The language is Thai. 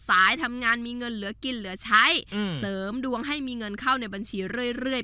ทำงานมีเงินเหลือกินเหลือใช้เสริมดวงให้มีเงินเข้าในบัญชีเรื่อย